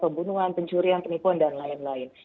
pembunuhan pencurian penipuan dan lain lain